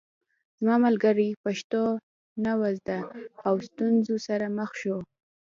زما ملګري پښتو نه وه زده او ستونزو سره مخ شو